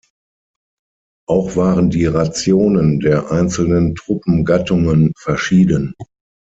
Auch waren die Rationen der einzelnen Truppengattungen verschieden.